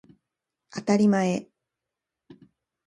あたりまえ